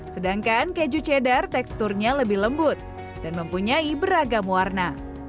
sedangkan keju cheddar teksturnya lebih lembut dan mempunyai beragam warna